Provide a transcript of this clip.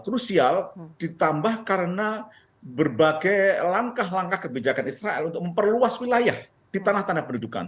krusial ditambah karena berbagai langkah langkah kebijakan israel untuk memperluas wilayah di tanah tanah pendudukan